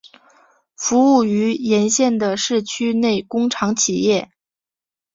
服务于沿线的市区内工厂企业。